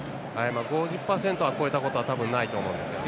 ５０％を超えたことは多分ないと思うんですよね。